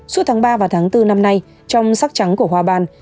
suốt tháng ba và tháng bốn năm nay trong sắc trắng của hoa bàn